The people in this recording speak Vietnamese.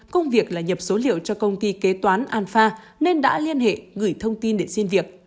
công việc là nhập số liệu cho công ty kế toán an pha nên đã liên hệ gửi thông tin để xin việc